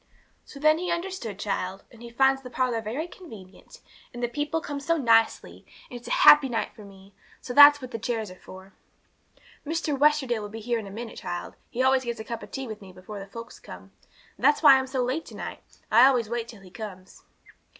'So then he understood, child; and he finds the parlour very convenient, and the people come so nicely, and it's a happy night for me. So that's what the chairs are for. 'Mr. Westerdale will be here in a minute, child; he always gets a cup of tea with me before the folks come. That's why I'm so late to night; I always wait till he comes.'